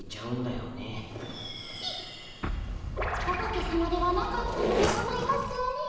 オバケさまではなかったのでございますね。